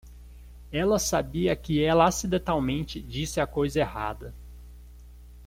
Ela sabia que ela acidentalmente disse a coisa errada.